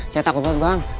saya takut banget bang